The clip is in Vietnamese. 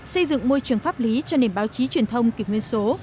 xây dựng môi trường pháp lý cho nền báo chí truyền thông kiệt nguyên số